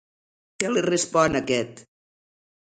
Què li respon aquest?